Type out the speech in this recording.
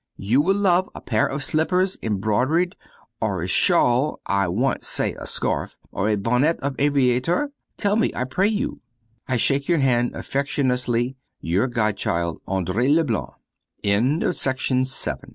You will love a pair of slippers embroidered, or a shawl (I want say a scarf) or a bonnet of aviator? Tell me, I pray of you, I shake your hand affectuously. Your godchild, Andrée Leblanc. Flat bands